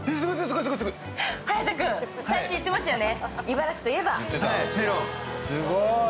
颯君、最初言ってましたよね。